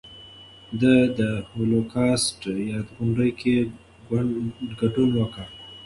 ده د هولوکاسټ د یاد غونډې کې ګډون وکړ.